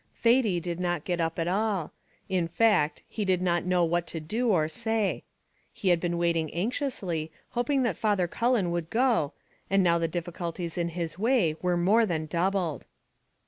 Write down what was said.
Thady did not get up at all; in fact, he did not know what to do or to say. He had been waiting anxiously, hoping that Father Cullen would go, and now the difficulties in his way were more than doubled.